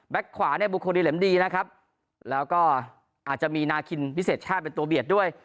ขวาเนี่ยบุคคลดีเหล็มดีนะครับแล้วก็อาจจะมีนาคินพิเศษชาติเป็นตัวเบียดด้วย